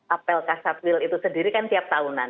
apel kasat wil itu sendiri kan tiap tahunan